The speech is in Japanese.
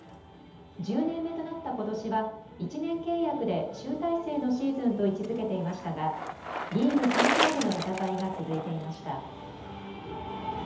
１０年目となったことしは１年契約で集大成のシーズンと位置づけていましたがリーグ最下位での戦いが続いていました。